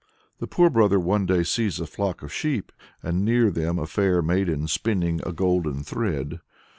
The poor brother one day sees a flock of sheep, and near them a fair maiden spinning a golden thread.